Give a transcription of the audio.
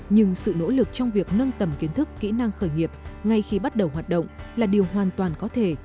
nhưng sự nỗ lực trong việc nâng tầm kiến thức kỹ năng khởi nghiệp ngay khi bắt đầu hoạt động là điều hoàn toàn có thể